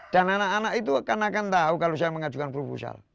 dan anak anak itu kan akan tahu kalau saya mengajukan proposal